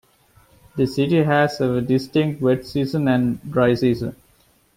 The city has a distinct wet season and dry season.